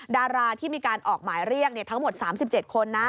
ดาราที่มีการออกหมายเรียกเนี่ยทั้งหมด๓๗คนครับ